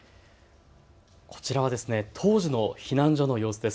こちらは当時の避難所の様子です。